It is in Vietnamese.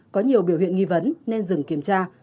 có nhiều biểu hiện nghi vấn nên dừng kiểm tra